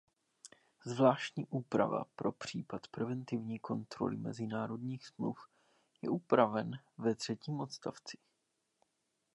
Zvláštní úprava pro případ preventivní kontroly mezinárodních smluv je upraven ve třetím odstavci.